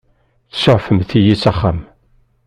Tsuɛfemt-iyi s axxam.